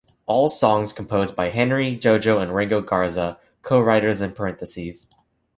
All songs composed by Henry, Jojo, and Ringo Garza; co-writers in parentheses.